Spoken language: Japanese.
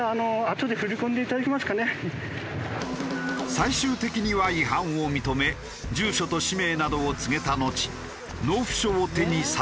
最終的には違反を認め住所と氏名などを告げたのち納付書を手に去っていった。